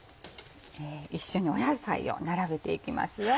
一緒に野菜を並べていきます。